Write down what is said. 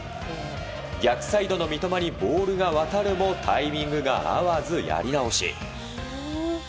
逆サイドの三笘にボールが渡るもタイミングが合わず、やり直し。